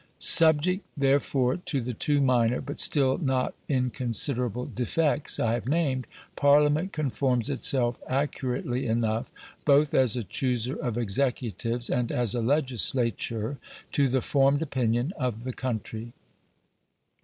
Subject therefore to the two minor, but still not inconsiderable, defects I have named, Parliament conforms itself accurately enough, both as a chooser of executives and as a legislature, to the formed opinion of the country.